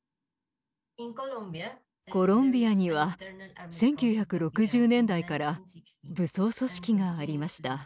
コロンビアには１９６０年代から武装組織がありました。